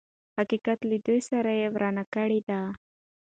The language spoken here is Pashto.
حقيقت له دوی سره ورانه کړې ده.